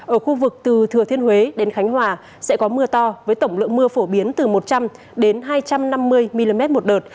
ở khu vực từ thừa thiên huế đến khánh hòa sẽ có mưa to với tổng lượng mưa phổ biến từ một trăm linh hai trăm năm mươi mm một đợt